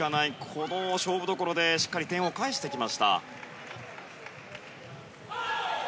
この勝負所でしっかり点を返してきました。